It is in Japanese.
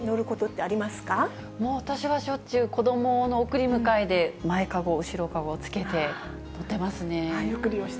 ふだん、私はしょっちゅう、子どもの送り迎えで前かご、後ろかごつけて乗ってますね。